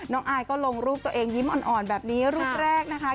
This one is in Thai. อายก็ลงรูปตัวเองยิ้มอ่อนแบบนี้รูปแรกนะคะ